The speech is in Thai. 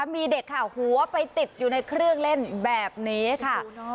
มีเด็กค่ะหัวไปติดอยู่ในเครื่องเล่นแบบนี้ค่ะ